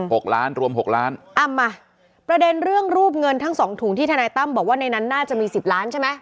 หกล้านรวมหกล้านอ้ำมาประเด็นเรื่องรูปเงินทั้งสองถุงที่ทนายตั้มบอกว่าในนั้นน่าจะมีสิบล้านใช่ไหม